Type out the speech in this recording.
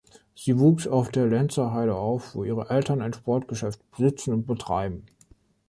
Sie wuchs auf der Lenzerheide auf, wo ihre Eltern ein Sportgeschäft besitzen und betreiben.